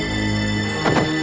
aku akan menangkapmu